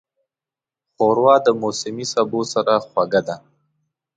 ښوروا د موسمي سبو سره خوږه ده.